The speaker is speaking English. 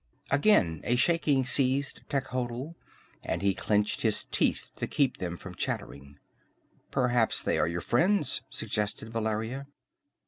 Again a shaking seized Techotl, and he clenched his teeth to keep them from chattering. "Perhaps they are your friends," suggested Valeria.